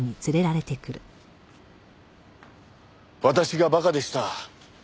私が馬鹿でした。